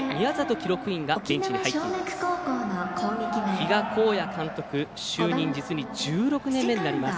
比嘉公也監督就任、実に１６年目になります。